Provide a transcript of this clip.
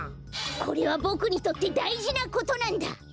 これはボクにとってだいじなことなんだ！